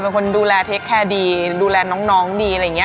เป็นคนดูแลเทคแคร์ดีดูแลน้องดีอะไรอย่างนี้